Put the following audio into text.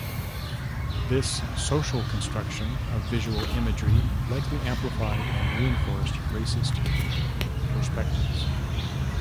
This social construction of visual imagery likely amplified and reinforced racist perspectives.